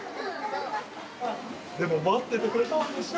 「でもまっててくれたんでしょ。